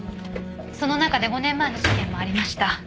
その中で５年前の事件もありました。